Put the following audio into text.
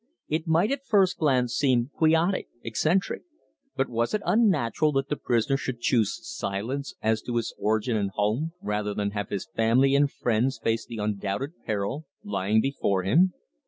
It might at first glance seem quixotic, eccentric, but was it unnatural that the prisoner should choose silence as to his origin and home, rather than have his family and friends face the undoubted peril lying before him?